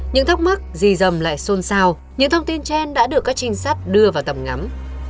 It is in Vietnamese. những thắc mắc gì dầm lại xôn xao những thông tin trên đã được các trinh sát đưa vào tầm ngắm